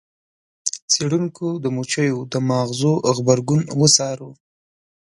څیړونکو د مچیو د ماغزو غبرګون وڅاره.